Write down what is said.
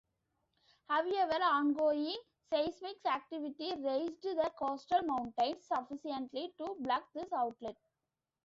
However, ongoing seismic activity raised the coastal mountains sufficiently to plug this outlet.